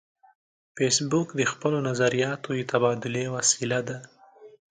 فېسبوک د خپلو نظریاتو د تبادلې وسیله ده